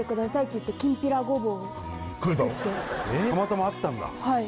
たまたまあったんだ？